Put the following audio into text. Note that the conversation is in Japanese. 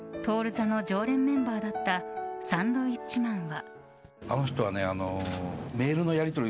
座の常連メンバーだったサンドウィッチマンは。